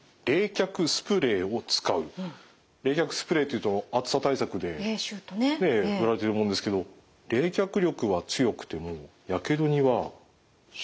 冷却スプレーというと暑さ対策で売られているものですけど冷却力は強くてもやけどには効くのかな。